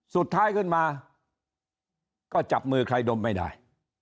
สุดท้ายขึ้นมาก็จับมือใครดมไม่ได้